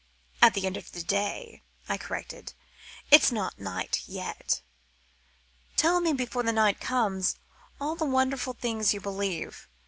"At the end of the day," I corrected. "It is not night yet. Tell me before the night comes all the wonderful things you believe.